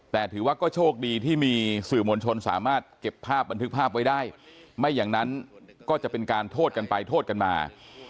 แต่ถือว่าก็โชคดีที่มีสื่อมวลชนสามารถเก็บภาพบันทึกภาพไว้ได้ไม่อย่างนั้นก็จะเป็นการโทษกันไปโทษกันมา